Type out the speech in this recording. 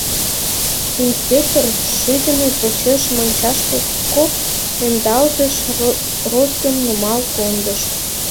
Инспектор шӱдымӧ почеш мончашке кок ӧндалтыш розгым нумал кондышт.